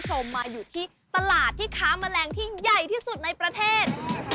มาอยู่ที่ตลาดที่ค้าแมลงที่ใหญ่ที่สุดในประเทศ